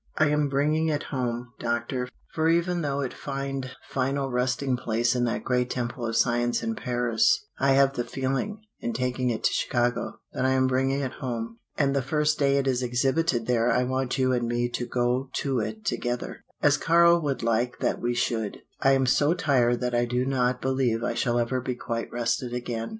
I am bringing it home, Doctor, for even though it find final resting place in that great temple of science in Paris, I have the feeling, in taking it to Chicago, that I am bringing it home. And the first day it is exhibited there I want you and me to go to it together, as Karl would like that we should. "I am so tired that I do not believe I shall ever be quite rested again.